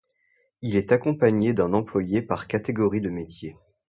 Il est accompagné d'un employé par catégorie de métier.